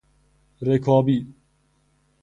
رکابی